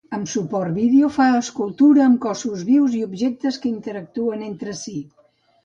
Amb suport vídeo fa escultura amb cossos vius i objectes que interactuen entre si.